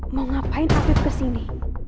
mau ngapain aku kesini